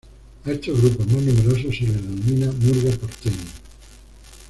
A estos grupos más numerosos se los denomina "murga porteña".